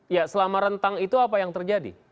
ya selama rentang itu apa yang terjadi